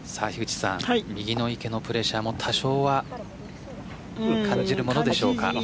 右の池のプレッシャーも多少は感じるものでしょうか。